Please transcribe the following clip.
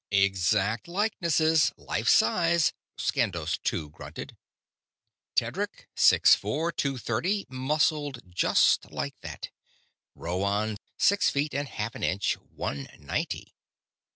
"_ _"Exact likenesses life size," Skandos Two grunted. "Tedric: six four, two thirty, muscled just like that. Rhoann: six feet and half an inch, one ninety.